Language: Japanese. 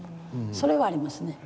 それはありますね。